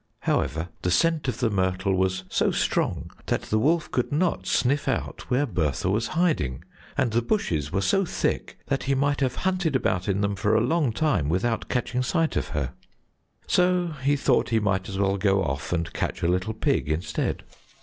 However, the scent of the myrtle was so strong that the wolf could not sniff out where Bertha was hiding, and the bushes were so thick that he might have hunted about in them for a long time without catching sight of her, so he thought he might as well go off and catch a little pig instead.